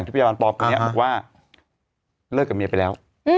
ผมบอกว่าเลิกกับเมียไปแล้ว